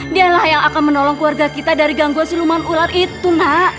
dia lah yang akan menolong keluarga kita dari gangguan suluman ular itu nak